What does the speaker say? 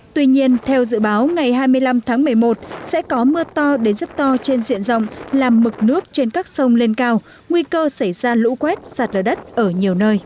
tháng một mươi một sẽ có mưa to đến rất to trên diện rộng làm mực nước trên các sông lên cao nguy cơ xảy ra lũ quét sạt ở đất ở nhiều nơi